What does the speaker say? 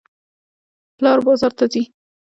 پلار بازار ته ځي.